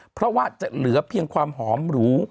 เพราะว่าจะเหลือเพียงความหอมหรู